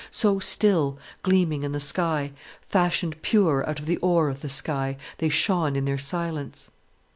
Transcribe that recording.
So still, gleaming in the sky, fashioned pure out of the ore of the sky, they shone in their silence.